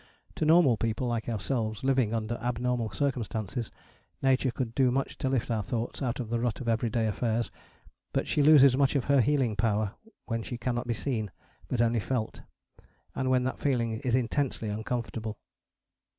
To normal people like ourselves living under abnormal circumstances Nature could do much to lift our thoughts out of the rut of everyday affairs, but she loses much of her healing power when she cannot be seen, but only felt, and when that feeling is intensely uncomfortable.